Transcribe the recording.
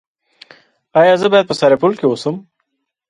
ایا زه باید په سرپل کې اوسم؟